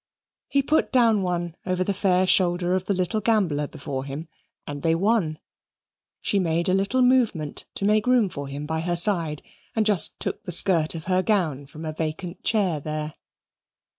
He put down one over the fair shoulder of the little gambler before him, and they won. She made a little movement to make room for him by her side, and just took the skirt of her gown from a vacant chair there.